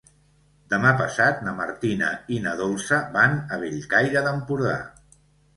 Demà passat na Martina i na Dolça van a Bellcaire d'Empordà.